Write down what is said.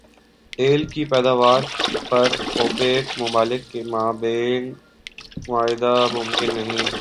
تیل کی پیداوار پر اوپیک ممالک کے مابین معاہدہ ممکن نہیں